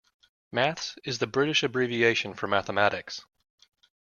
Maths is the British abbreviation for mathematics